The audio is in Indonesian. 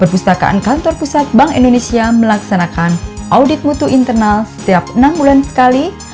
perpustakaan kantor pusat bank indonesia melaksanakan audit mutu internal setiap enam bulan sekali